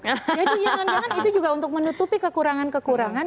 jadi jangan jangan itu juga untuk menutupi kekurangan kekurangan